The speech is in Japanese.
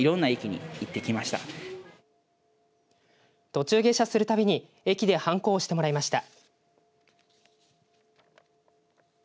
途中下車するたびに駅にはんこを押してもらいました。